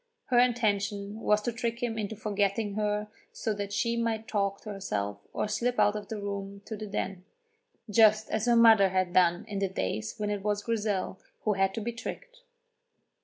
Her intention was to trick him into forgetting her so that she might talk to herself or slip out of the room to the Den, just as her mother had done in the days when it was Grizel who had to be tricked.